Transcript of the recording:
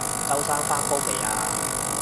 周生返工未啊？